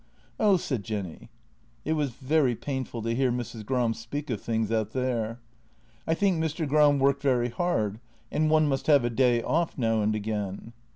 " Oh," said Jenny. It was very painful to hear Mrs. Gram speak of things out there. " I think Mr. Gram worked very hard, and one must have a day off now and again."